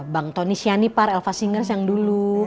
bang tony sianipar elva singers yang dulu